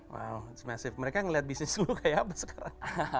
wow it's massive mereka ngelihat bisnis lo kayak apa sekarang